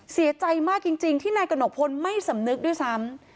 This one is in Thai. เสียใจมากจริงที่นายกระหนกพลไม่สำนึกด้วยซ้ำ